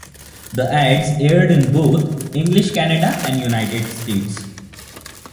The ads aired in both English Canada and the United States.